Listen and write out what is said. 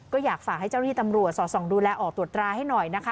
ก็อยากฝากให้เจ้าที่ตำรวจสอดส่องดูแลออกตรวจตราให้หน่อยนะคะ